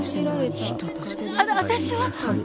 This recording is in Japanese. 私は。